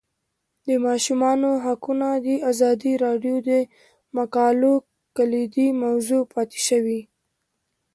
د ماشومانو حقونه د ازادي راډیو د مقالو کلیدي موضوع پاتې شوی.